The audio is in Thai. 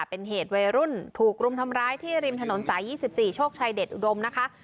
เป็นเหตุวัยรุ่นถูกรุมทำร้ายที่ริมถนนสาย๒๔โชคชัยเดชอุดมนะคะ